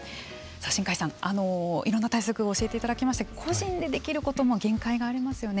新開さん、いろんな対策を教えていただきましたけれども個人でできることも限界がありますよね。